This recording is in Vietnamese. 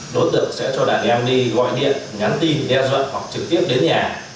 đối tượng sẽ cho đàn em đi gọi điện nhắn tin đe dọa hoặc trực tiếp đến nhà